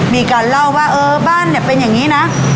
มีการเล่าว่าเออบ้านเนี่ยเป็นอย่างนี้นะ